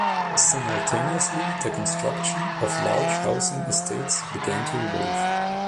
Simultaneously the construction of large housing estates began to evolve.